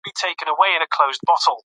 فصل پوره باراني اوبه څښلې وې.